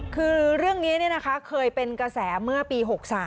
คือเรื่องนี้เคยเป็นกระแสเมื่อปี๖๓